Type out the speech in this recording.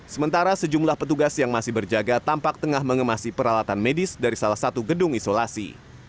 sementara sejumlah petugas yang masih berjaga tampak tengah mengemasi peralatan medis dari salah satu gedung isolasi